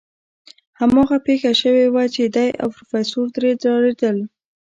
هماغه پېښه شوې وه چې دی او پروفيسر ترې ډارېدل.